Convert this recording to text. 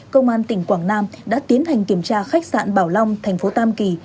công an tỉnh quảng nam đã tiến hành kiểm tra khách sạn bảo long thành phố tam kỳ